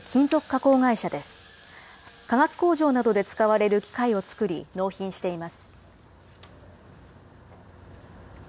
化学工場などで使われる機械を作り、納品しています。